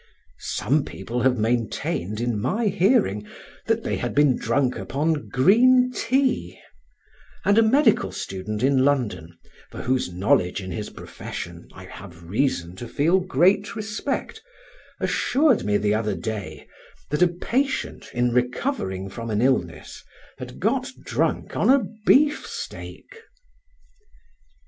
Some people have maintained in my hearing that they had been drunk upon green tea; and a medical student in London, for whose knowledge in his profession I have reason to feel great respect, assured me the other day that a patient in recovering from an illness had got drunk on a beef steak.